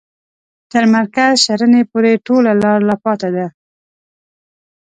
تر مرکز شرنې پوري ټوله لار لا پاته ده.